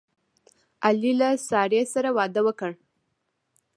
علي له سارې سره واده وکړ.